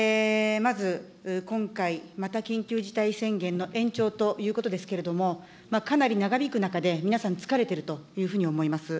まず今回、また緊急事態宣言の延長ということですけれども、かなり長引く中で、皆さん、疲れているというふうに思います。